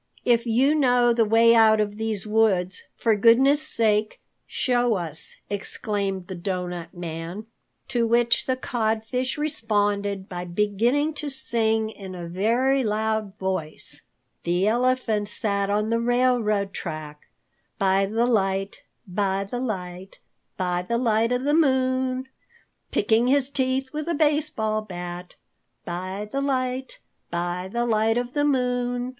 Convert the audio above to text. "If you know the way out of these woods, for goodness' sake show us," exclaimed the Doughnut Man. To which the Codfish responded by beginning to sing in a very loud voice: "The elephant sat on the railroad track, By the light, by the light, by the light of the moon, Picking his teeth with a baseball bat, By the light, by the light of the moon."